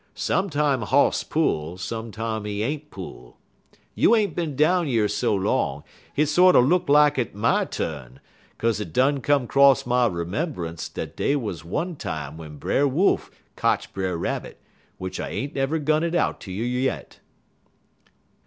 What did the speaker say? Sometimes hoss pull, sometime he ain't pull. You ain't bin down yer so long, hit sorter look lak it my tu'n; 'kaze it done come 'cross my 'membunce dat dey wuz one time w'en Brer Wolf kotch Brer Rabbit, w'ich I ain't never gun it out ter you yit."